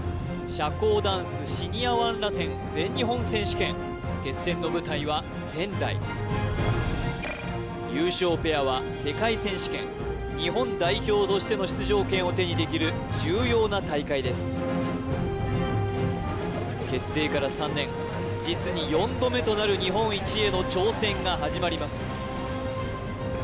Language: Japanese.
社交ダンスシニアⅠラテン全日本選手権決戦の舞台は仙台優勝ペアは世界選手権日本代表としての出場権を手にできる重要な大会です結成から３年実に４度目となる日本一への挑戦が始まります